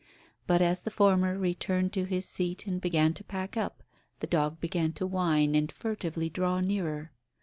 But as the former returned to his seat, and began to pack up, the dog began to whine and furtively draw nearer.